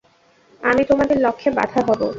আমি তোমাদের লক্ষ্যে বাধা হব।